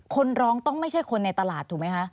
คนร้องต้องไม่ใช่คนในตลาดถูกไหมคะ